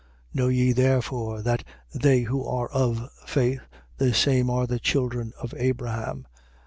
3:7. Know ye, therefore, that they who are of faith, the same are the children of Abraham.